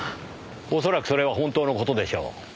恐らくそれは本当の事でしょう。